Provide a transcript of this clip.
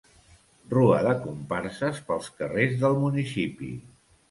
Rua de comparses pels carrers del municipi.